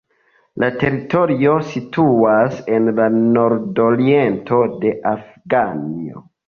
La teritorio situas en la nordoriento de Afganio.